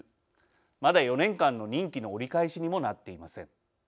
まだ４年間の任期の折り返しにもなっていません。